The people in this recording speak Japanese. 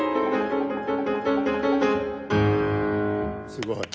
すごい。